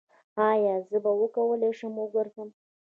ایا زه به وکولی شم وګرځم؟